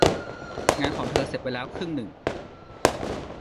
งานของเธอเสร็จไปแล้วครึ่งหนึ่ง